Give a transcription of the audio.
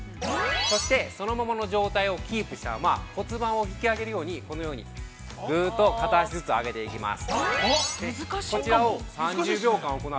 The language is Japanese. そして、そのままの状態をキープしたまま、骨盤を引き上げるようにこのように、ぐーっと片足ずつ上げていきます。